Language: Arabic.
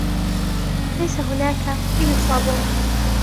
ليس هناك أي صابون.